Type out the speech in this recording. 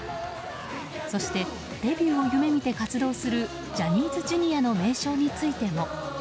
そしてデビューを夢見て活動するジャニーズＪｒ．の名称についても。